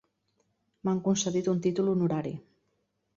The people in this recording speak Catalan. M'han concedit un títol honorari.